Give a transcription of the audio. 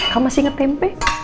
kamu masih ngetempe